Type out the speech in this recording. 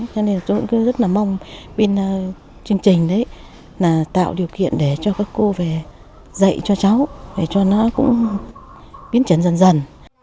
cho nên tôi cũng rất là mong bên chương trình đấy là tạo điều kiện để cho các cô về dạy cho cháu để cho nó cũng biến chuyển dần dần